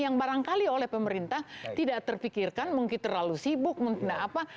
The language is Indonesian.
yang barangkali oleh pemerintah tidak terpikirkan mungkin terlalu sibuk mungkin apa